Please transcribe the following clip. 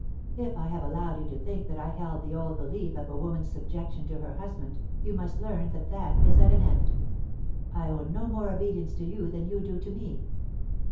If I have allowed you to think that I held the old belief of a woman's subjection to her husband, you must learn that that is at an end. I owe no more obedience to you than you do to me."